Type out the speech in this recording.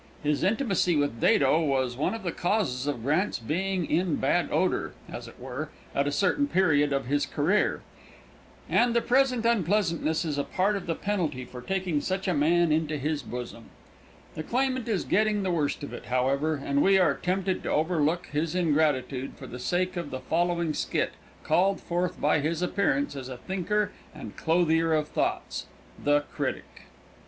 His intimacy with Dado was one of the causes of Grant's being in bad odor, as it were, at a certain period of his career; and the present unpleasantness is a part of the penalty for taking such a man into his bosom. The claimant is getting the worst of it, however, and we are tempted to overlook his ingratitude for the sake of the following skit called forth by his appearance as a thinker and clothier of thoughts. The Critic.